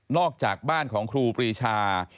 อกจากบ้านของครูปรีชา